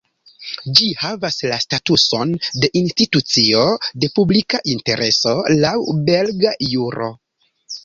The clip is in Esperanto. Ĝi havas la statuson de "Institucio de Publika Intereso", laŭ belga juro.